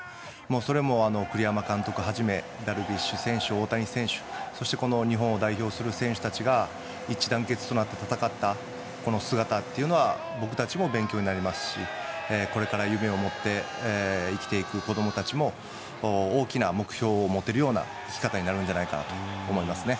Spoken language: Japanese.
それも栗山監督はじめダルビッシュ選手、大谷選手そして日本を代表する選手たちが一致団結となって戦った姿というのは僕たちも勉強になりますしこれから夢を持って生きていく子供たちも大きな目標を持てる生き方になるんじゃないかなと思いますね。